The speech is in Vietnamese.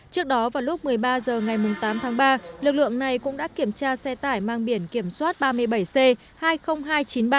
trước đó vào lúc một mươi ba h ngày tám tháng ba lực lượng này cũng đã kiểm tra xe tải mang biển kiểm soát ba mươi bảy c hai mươi nghìn hai trăm chín mươi ba